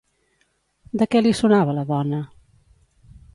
De què li sonava la dona?